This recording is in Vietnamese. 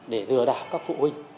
để lừa đảo các phụ huynh